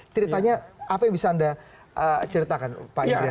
ceritanya apa yang bisa anda ceritakan pak idris